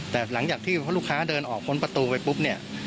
แต่หลังจากที่พอลูกค้าเดินออกพ้นประตูไปปุ๊บเนี่ย